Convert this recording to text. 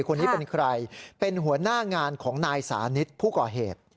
คนนี้เป็นใครเป็นหัวหน้างานของนายสานิทผู้ก่อเหตุ